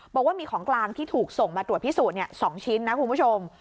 บอกว่ามีของกลางที่ถูกส่งมาตรวจพิสูจน์๒ชิ้นนะคุณผู้ชม